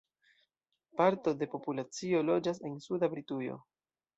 Parto de populacio loĝas en suda Britujo.